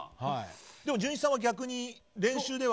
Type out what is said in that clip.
でも、じゅんいちさんは逆に練習では。